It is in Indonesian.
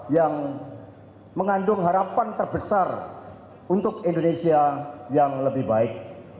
yang mengandung harapan terbesar untuk indonesia yang lebih baik